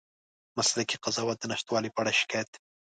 مسلکي قضاوت د نشتوالي په اړه شکایت